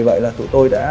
vì vậy là tụi tôi đã